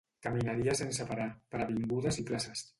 Caminaria sense parar, per avingudes i places